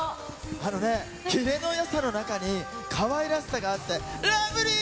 あのね、キレのよさの中に、かわいらしさがあって、ラブリー！